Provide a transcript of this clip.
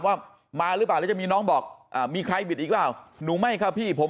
ว่ามาหรือเปล่าจะมีน้องบอกมีใครบิดอีกว่าหนูไม่ครับพี่ผม